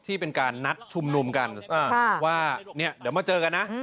ที่เป็นการนัดชุมนุมกันว่าเนี่ยเดี๋ยวมาเจอกันนะ